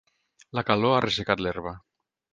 La calor ha ressecat l'herba.